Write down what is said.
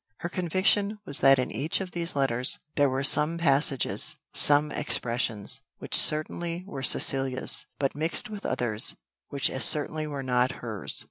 Her conviction was that in each of these letters, there were some passages, some expressions, which certainly were Cecilia's, but mixed with others, which as certainly were not hers.